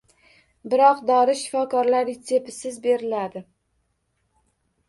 Biroq dori shifokor retseptisiz beriladi.